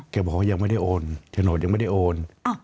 บอกว่ายังไม่ได้โอนโฉนดยังไม่ได้โอน